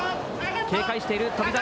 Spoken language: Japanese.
警戒している翔猿。